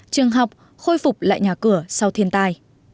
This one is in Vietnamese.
trường học khôi phục lại nhà cửa sau thiên tai